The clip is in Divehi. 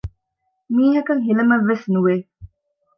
މީހަކަށް ހިލަމެއް ވެސް ނުވެ